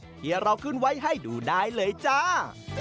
ที่เราขึ้นไว้ให้ดูได้เลยจ้า